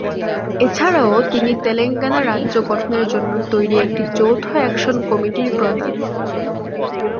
এছাড়াও তিনি তেলেঙ্গানা রাজ্য গঠনের জন্য তৈরি একটি যৌথ অ্যাকশন কমিটির প্রধান।